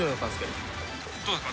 どうですか？